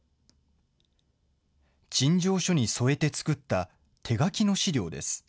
陳情書に添えて作った手書きの資料です。